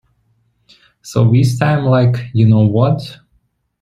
So this time, like, you know what?